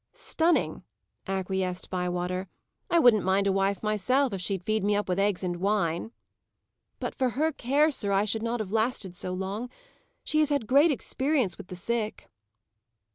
"Stunning," acquiesced Bywater. "I wouldn't mind a wife myself, if she'd feed me up with eggs and wine." "But for her care, sir, I should not have lasted so long. She has had great experience with the sick."